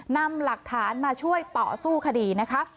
นำหลักฐานมาช่วยต่อสู้คดีนะคะ